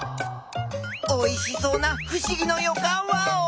おいしそうなふしぎのよかんワオ！